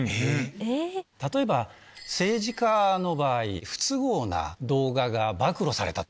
例えば政治家の場合、不都合な動画が暴露された。